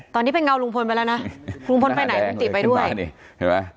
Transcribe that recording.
ตอนนี้ไปเงาลุงพลไปแล้วนะลุงพลไปไหนตีไปด้วยน่าแดงเลยขึ้นมานี่